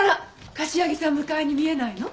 柏木さん迎えにみえないの？